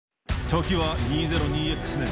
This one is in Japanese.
時は２０２Ｘ年。